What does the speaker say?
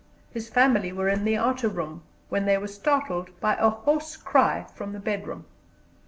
His family were in the outer room, when they were startled by a hoarse cry from the bedroom.